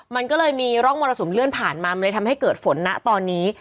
มันก็เลยมีร่องมรสุมเลื่อนผ่านมามันเลยทำให้เกิดฝนนะตอนนี้